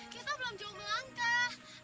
kita belum jauh melangkah